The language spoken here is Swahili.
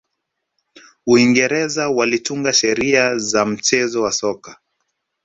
uingereza walitunga sheria za mchezo wa soka